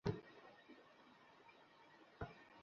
আমরা তাদের কথায় এসব করছি।